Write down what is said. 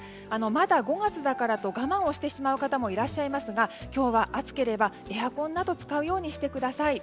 まだ５月だからと我慢をしてしまう方もいらっしゃいますが今日は暑ければエアコンなど使うようにしてください。